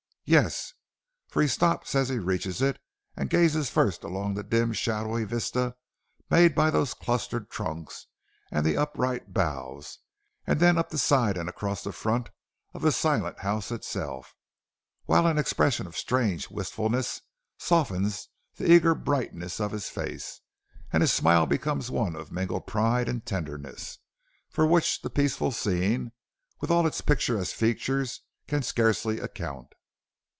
Yes, for he stops as he reaches it and gazes first along the dim shadowy vista made by those clustered trunks and upright boughs, and then up the side and across the front of the silent house itself, while an expression of strange wistfulness softens the eager brightness of his face, and his smile becomes one of mingled pride and tenderness, for which the peaceful scene, with all its picturesque features, can scarcely account.